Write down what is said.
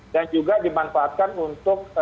dan juga dimanfaatkan untuk